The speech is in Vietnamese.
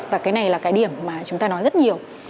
và cái này là cái điểm mà chúng ta nói rất nhiều